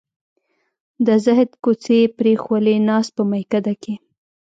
د زهد کوڅې یې پرېښوولې ناست په میکده کې